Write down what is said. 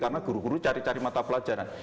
karena guru guru cari cari mata pelajaran